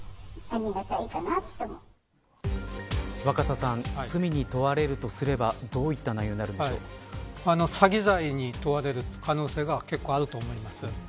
若狭さん罪に問われるとすればどういった内容に詐欺罪に問われる可能性が結構あると思います。